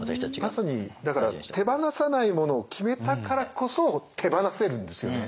まさに手放さないものを決めたからこそ手放せるんですよね。